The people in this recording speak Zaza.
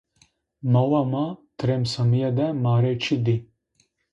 Mawa ma tırêm samiye de ma rê çı di.